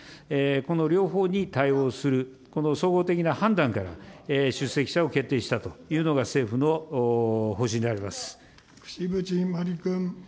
この両方に対応する、この総合的な判断から出席者を決定したというのが政府の方針であ櫛渕万里君。